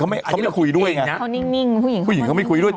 อันนี้เขาไม่คุยด้วย